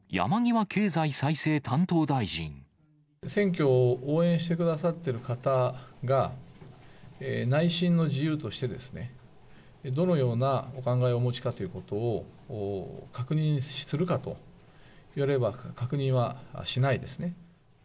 選挙を応援してくださってる方が、内心の自由としてですね、どのようなお考えをお持ちかということを、確認をするかと言われれば、確認はしないですね。